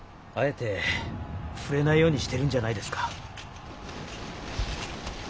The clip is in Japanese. あえて触れないようにしてるんじゃないですか。